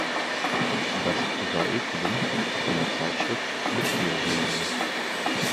Das Saeculum ist eine Zeitschrift mit Peer-Review.